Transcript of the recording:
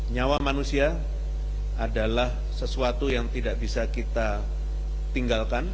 nyawa manusia adalah sesuatu yang tidak bisa kita tinggalkan